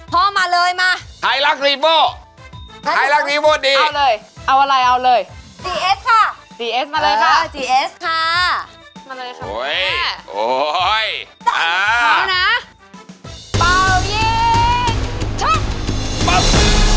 เป่ายิง